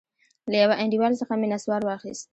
له يوه انډيوال څخه مې نسوار واخيست.